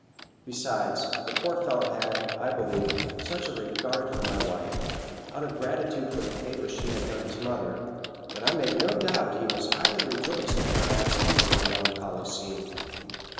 Besides, the poor fellow had, I believe, such a regard for my wife, out of gratitude for the favours she hath done his mother, that I make no doubt he was highly rejoiced at her absence from my melancholy scene.